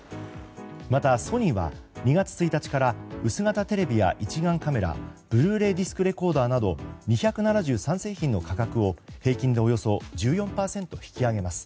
また、ソニーは２月１日から薄型テレビや一眼カメラブルーレイディスクレコーダーなど２７３製品の価格を平均でおよそ１４％引き上げます。